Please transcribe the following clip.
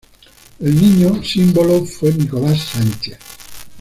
El niño símbolo fue Nicolás Sánchez.